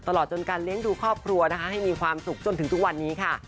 ตลอดจนการเลี้ยงดูครอบครัวนะคะให้มีความสุขจนถึงทุกวันนี้ค่ะ